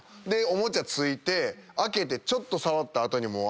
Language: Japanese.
おもちゃ着いて開けてちょっと触った後にもう。